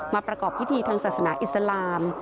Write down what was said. ประกอบพิธีทางศาสนาอิสลาม